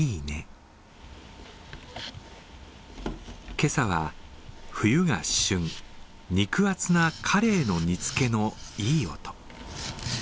今朝は冬が旬、肉厚なかれいの煮つけのいい音。